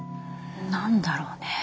何だろうねえ。